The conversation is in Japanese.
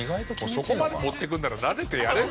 そこまで持ってくんならなでてやれよ